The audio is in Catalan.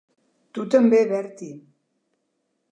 Tu també, Bertie.